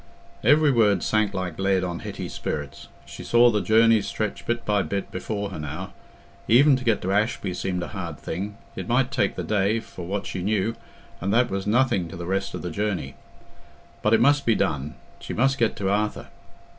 Every word sank like lead on Hetty's spirits; she saw the journey stretch bit by bit before her now. Even to get to Ashby seemed a hard thing: it might take the day, for what she knew, and that was nothing to the rest of the journey. But it must be done—she must get to Arthur.